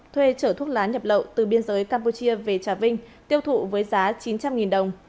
thuê chở thuốc lá nhập lậu từ biên giới campuchia về trà vinh tiêu thụ với giá chín trăm linh đồng